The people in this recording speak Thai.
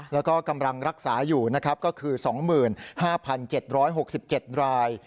แล้วก็กำลังรักษาอยู่นะครับก็คือ๒๕๗๖๗ราย